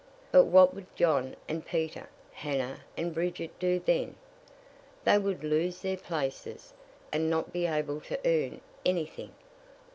"But what would John and Peter, Hannah and Bridget do then? They would lose their places, and not be able to earn any thing.